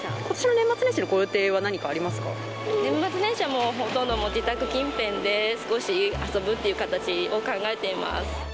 年末年始のご予定は何かあり年末年始はもうほとんど、自宅近辺で少し遊ぶっていう形を考えています。